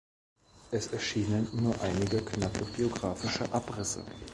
Es erschienen nur einige knappe biografische Abrisse.